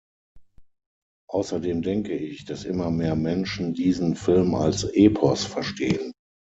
Außerdem denke ich, dass immer mehr Menschen diesen Film als Epos verstehen.